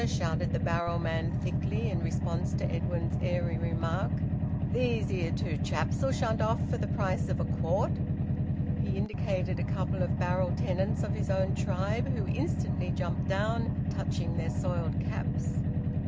shouted the barrel man thickly, in response to Edwin's airy remark, "these 'ere two chaps'll shunt off for th' price of a quart!" He indicated a couple of barrel tenants of his own tribe, who instantly jumped down, touching their soiled caps.